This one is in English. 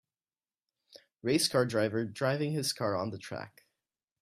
Race car driver driving his car on the track.